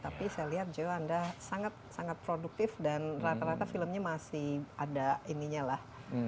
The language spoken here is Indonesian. tapi saya lihat joe anda sangat sangat produktif dan rata rata filmnya masih ada ininya lah